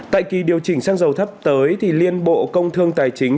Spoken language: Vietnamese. tại kỳ điều chỉnh xăng dầu sắp tới thì liên bộ công thương tài chính